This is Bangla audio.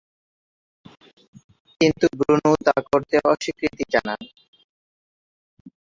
কিন্তু ব্রুনো তা করতে অস্বীকৃতি জানান।